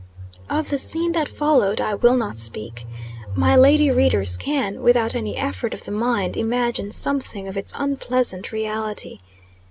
Of the scene that followed, I will not speak. My lady readers can, without any effort of the mind, imagine something of its unpleasant reality.